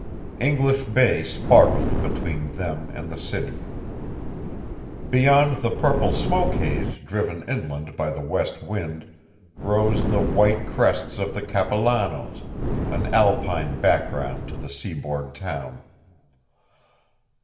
English Bay sparkled between them and the city. Beyond the purple smoke haze driven inland by the west wind rose the white crests of the Capilanos, an Alpine background to the seaboard town.